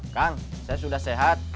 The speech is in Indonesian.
kang saya sudah sehat